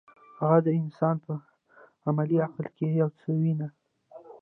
هغه د انسان په عملي عقل کې یو څه ویني.